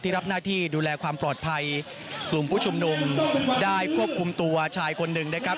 รับหน้าที่ดูแลความปลอดภัยกลุ่มผู้ชุมนุมได้ควบคุมตัวชายคนหนึ่งนะครับ